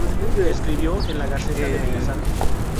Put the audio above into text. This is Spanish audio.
Escribió en la Gaceta de Bellas Artes.